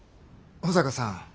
保坂さん